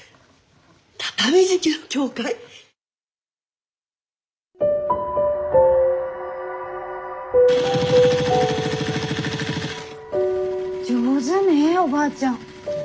畳敷きの教会⁉上手ねえおばあちゃん。